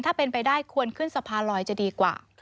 ถ้าเป็นไปได้ควรขึ้นสะพานลอยจะดีกว่า